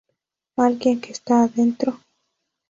Alguien que está adentro.